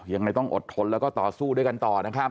ยังไงต้องอดทนแล้วก็ต่อสู้ด้วยกันต่อนะครับ